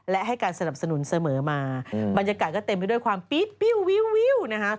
และให้การสนับสนุนเสมอมาบรรยากาศก็เต็มไปด้วยความปี๊ดวิวนะคะ